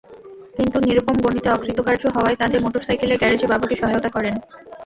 কিন্তু নিরুপম গণিতে অকৃতকার্য হওয়ায় তাঁদের মোটরসাইকেলের গ্যারেজে বাবাকে সহায়তা করেন।